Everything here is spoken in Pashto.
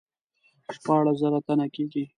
شپاړس زره تنه کیږي.